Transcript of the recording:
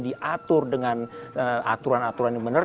diatur dengan aturan aturan yang benar